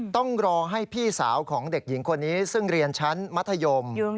ต้องรอให้พี่สาวของเด็กหญิงคนนี้ซึ่งเรียนชั้นมัธยม